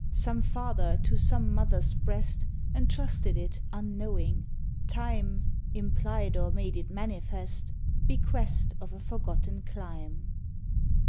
Some father to some mother's breast Entrusted it, unknowing. Time Implied, or made it manifest, Bequest of a forgotten clime.